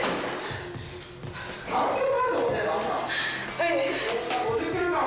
はい。